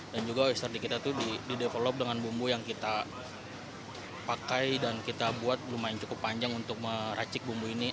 dan juga oister di kita itu didevelop dengan bumbu yang kita pakai dan kita buat lumayan cukup panjang untuk meracik bumbu ini